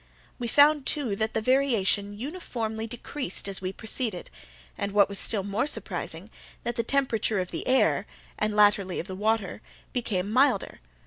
We found, too, that the variation uniformly decreased as we proceeded, and, what was still more surprising, that the temperature of the air, and latterly of the water, became milder.